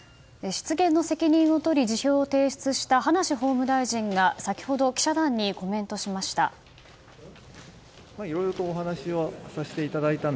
失言の責任を取り辞表を提出した葉梨法務大臣が先ほど記者団にコメントしました。